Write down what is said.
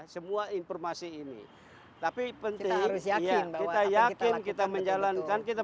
semua informasi ini tapi penting kita yakin kita menjalankan kita